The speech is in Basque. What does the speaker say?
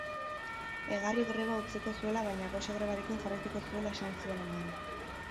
Egarri greba utziko zuela baina gose grebarekin jarraituko zuela esan zion amari.